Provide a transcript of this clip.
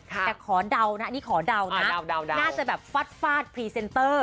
แต่ขอดาวนะนี่ขอดาวนะน่าจะแบบฟาดพรีเซนเตอร์